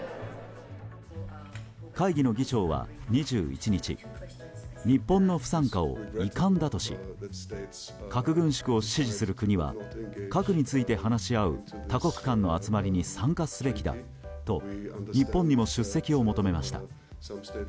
会議の議長は２１日日本の不参加を遺憾だとし核軍縮を支持する国は核について話し合う多国間の集まりに参加すべきだと日本にも出席を求めました。